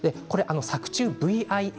作中、Ｖ．Ｉ．Ａ